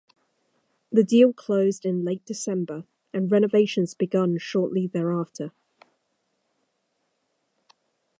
The deal closed in late December and renovations begun shortly thereafter.